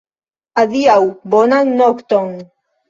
Adiaŭ! Bonan nokton!